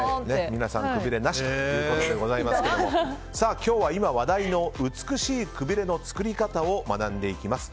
皆さん、くびれなしということでございますけれども今日は今話題の美しいくびれの作り方を学んでいきます。